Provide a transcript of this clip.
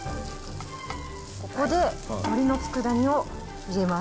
ここでのりのつくだ煮を入れます。